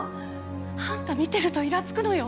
あんた見てるといらつくのよ。